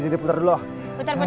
puter puter puter